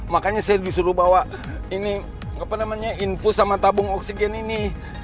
makanya saya disuruh bawa ini infus sama tabung oksigen ini